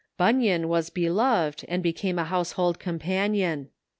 Bunyan was beloved, and became a household companion.